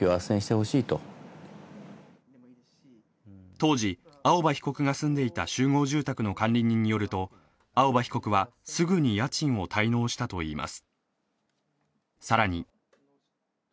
当時、青葉被告が住んでいた集合住宅の管理人によると青葉被告はすぐに家賃を滞納したといいます。